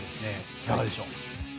いかがでしょう。